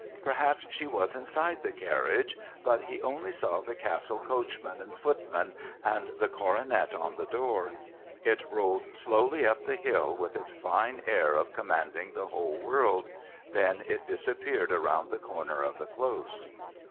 Perhaps she was inside the carriage... but he only saw the Castle coachman and footman and the coronet on the door. It rolled slowly up the hill with its fine air of commanding the whole world then it disappeared around the corner of the Close.